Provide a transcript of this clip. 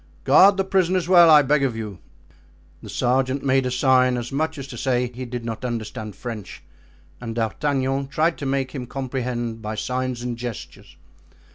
Guard the prisoners well, I beg of you." The sergeant made a sign, as much as to say he did not understand French, and D'Artagnan tried to make him comprehend by signs and gestures.